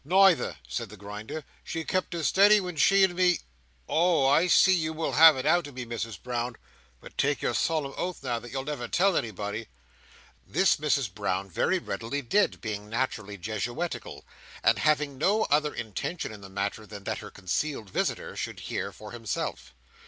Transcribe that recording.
"Neither," said the Grinder. "She kept as steady when she and me—oh, I see you will have it out of me, Misses Brown! But take your solemn oath now, that you'll never tell anybody." This Mrs Brown very readily did: being naturally Jesuitical; and having no other intention in the matter than that her concealed visitor should hear for himself.